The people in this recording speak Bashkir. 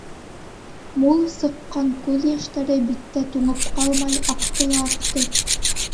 Мул сыҡҡан күҙ йәштәре, биттә туңып ҡалмай, аҡты ла аҡты.